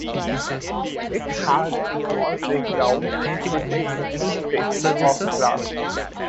It has a small playground, with an open space of grass.